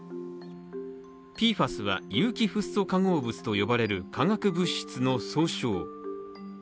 ＰＦＡＳは、有機フッ素化合物と呼ばれる化学物質の総称。